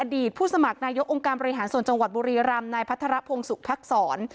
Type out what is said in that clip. อดีตผู้สมัครนายกองการบริหารส่วนจังหวัดบุรีรัมน์นายพัทรพงศ์สุขภักษ์ศร